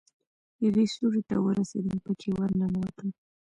يوې سوړې ته ورسېدم پکښې ورننوتم.